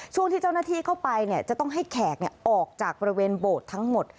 ช่วงที่เจ้าหน้าที่เข้าไปจะต้องให้แขกออกจากบริเวณโบสถ์ทั้งหมด